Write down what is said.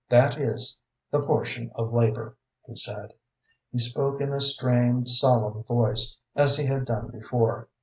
"That is the portion of labor," he said. He spoke in a strained, solemn voice, as he had done before.